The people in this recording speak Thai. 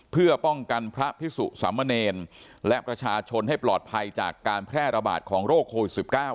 เพื่อป้องกันพระพิสุสามเณรและประชาชนให้ปลอดภัยจากการแพร่ระบาดของโรคโควิด๑๙